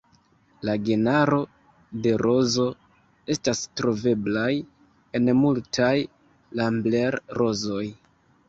La genaro de rozo estas troveblaj en multaj Rambler-rozoj.